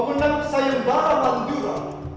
pemenang sayang barabandura